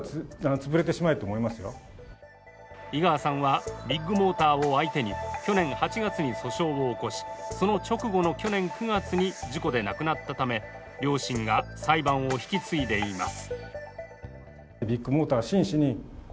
井川さんはビッグモーターを相手に去年８月に訴訟を起こし、その直後の去年９月に事故で亡くなったため、両親が裁判を引き継いでいます。